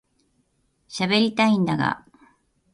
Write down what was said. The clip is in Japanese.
しゃべりたいんだが